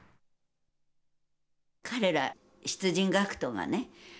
彼ら出陣学徒がね